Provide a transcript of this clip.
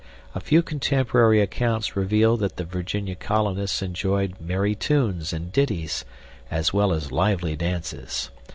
A few contemporary accounts reveal that the Virginia colonists enjoyed merry tunes and ditties, as well as lively dances.